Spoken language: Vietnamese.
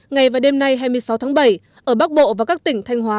ngày và đêm nay hai mươi sáu tháng bảy ở bắc bộ và các tỉnh thanh hóa